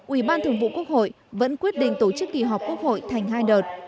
ủy ban thường vụ quốc hội vẫn quyết định tổ chức kỳ họp quốc hội thành hai đợt